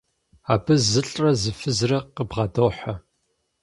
Абы зылӏрэ зы фызрэ къыбгъэдохьэ.